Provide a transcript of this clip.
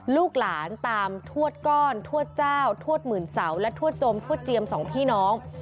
ลูกหลานตามทวดก้อนทวดเจ้าทวดหมื่นเสาและทวดจมทวดเจียมสองพี่น้อง